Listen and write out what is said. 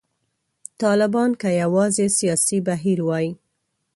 طالبان که یوازې سیاسي بهیر وای.